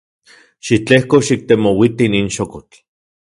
Xitlejko xiktemouiti nin xokotl.